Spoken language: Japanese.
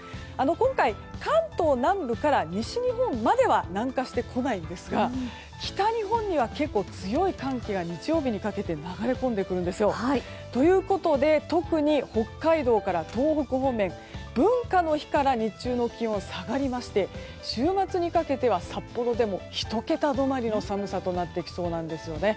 今回、関東南部から西日本までは南下してこないんですが北日本には結構強い寒気が日曜日にかけて流れ込んでくるんですよ。ということで特に北海道から東北方面文化の日から日中の気温が下がりまして週末にかけては札幌でも１桁止まりの寒さとなってきそうなんですね。